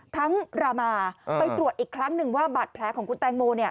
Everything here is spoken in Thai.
รามาไปตรวจอีกครั้งหนึ่งว่าบาดแผลของคุณแตงโม